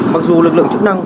mặc dù lực lượng chức năng